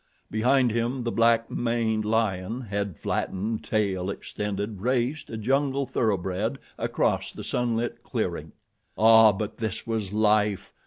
Behind him the black maned lion, head flattened, tail extended, racing, a jungle thoroughbred, across the sunlit clearing. Ah, but this was life!